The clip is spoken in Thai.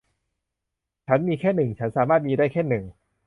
ฉันมีแค่หนึ่ง ฉันสามารถมีได้แค่หนึ่ง